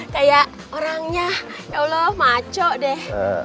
kayak orangnya ya allah maco deh